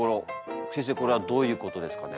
先生これはどういうことですかね？